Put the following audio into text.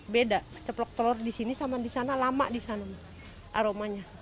beda ceplok telur di sini sama di sana lama di sana aromanya